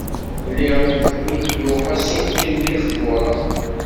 Lliɣ tthudduɣ aṣuken iqburen.